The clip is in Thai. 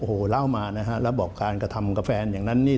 โอ้โหเล่ามานะฮะแล้วบอกการกระทำกับแฟนอย่างนั้นนี่